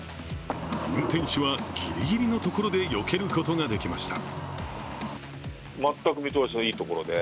運転手はギリギリのところで避けることができました。